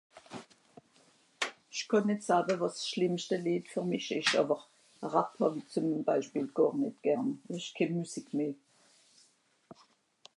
sch'kànn nìt sawe wàs schlìmmschte Leed ver mìsch esch àwer Rap hawie zum beischpeel gàr nìt gern esch keh musique meh